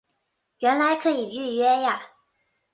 原来可以预约呀